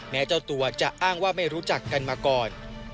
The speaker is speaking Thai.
เจ้าตัวจะอ้างว่าไม่รู้จักกันมาก่อน